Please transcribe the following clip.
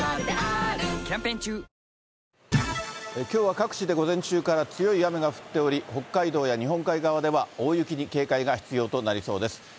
きょうは各地で午前中から強い雨が降っており、北海道や日本海側では大雪に警戒が必要となりそうです。